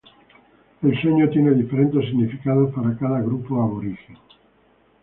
El Sueño tiene diferentes significados para cada grupo aborigen.